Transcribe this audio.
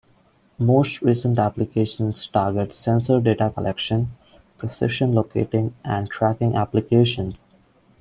Most recent applications target sensor data collection, precision locating and tracking applications.